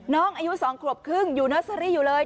น้องอายุ๒ขวบครึ่งอยู่เนอร์เซอรี่อยู่เลย